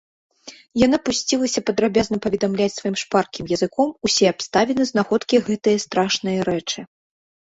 Яна пусцілася падрабязна паведамляць сваім шпаркім языком усе абставіны знаходкі гэтае страшнае рэчы.